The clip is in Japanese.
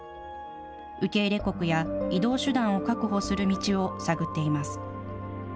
受け入れ国や、移動手段を確保する道を探っています。